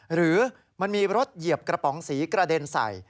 หรือมันมีรถเหยียบกระป๋องสีกระเด็นใส่